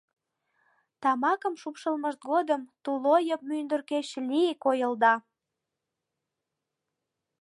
Тамакым шупшылмышт годым тулойып мӱндыркӧ чли-и койылда.